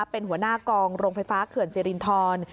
เป็นหัวหน้ากองโรงไฟฟ้าเขื่อนสิรินทร